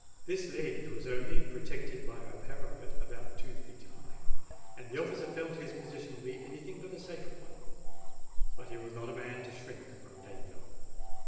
This ledge was only protected by a parapet about two feet high; and the officer felt his position to be any thing but a safe one. But he was not the man to shrink from danger.